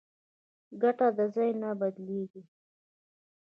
کټه د ځای نه بدلېږي.